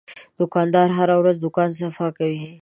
دوکاندار هره ورځ دوکان صفا کوي.